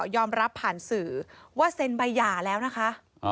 ผ่านสื่อว่าเซ็นใบหย่าแล้วนะคะ